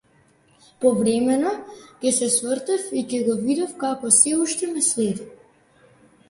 Повремено ќе се свртев и ќе го видев како сѐ уште ме следи.